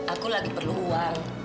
aku lagi perlu uang